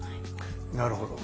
なるほど。